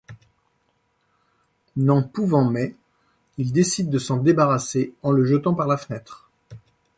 N’en pouvant mais, ils décident de s’en débarrasser en le jetant par la fenêtre.